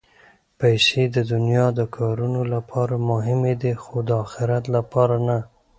پېسې د دنیا د کارونو لپاره مهمې دي، خو د اخرت لپاره نه.